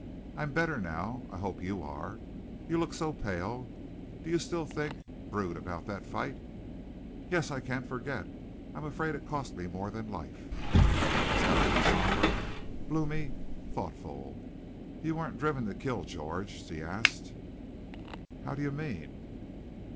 "I'm better now. I hope you are. You look so pale. Do you still think, brood about that fight?" "Yes, I can't forget. I'm afraid it cost me more than life." Sally was somber, bloomy, thoughtful. "You weren't driven to kill George?" she asked. "How do you mean?"